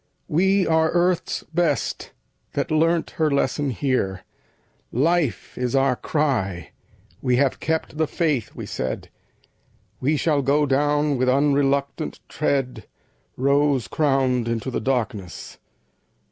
"We are Earth's best, that learnt her lesson here. Life is our cry. We have kept the faith!" we said; "We shall go down with unreluctant tread Rose crowned into the darkness!"